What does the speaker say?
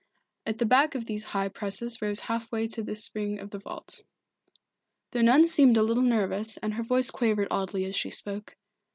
At the back of these high presses rose half way to the spring of the vault. The nun seemed a little nervous and her voice quavered oddly as she spoke.